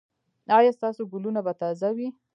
ایا ستاسو ګلونه به تازه وي؟